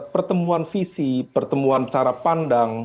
pertemuan visi pertemuan cara pandang